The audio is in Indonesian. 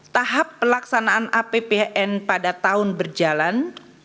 tahap pelaksanaan apbn pada tahun berjalan